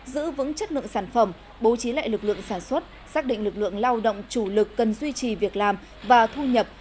giữ vững chất lượng sản phẩm bố trí lại lực lượng sản xuất xác định lực lượng lao động chủ lực cần duy trì việc làm và thu nhập